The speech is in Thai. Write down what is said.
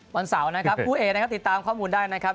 วันเสาร์นะครับคู่เอกนะครับติดตามข้อมูลได้นะครับ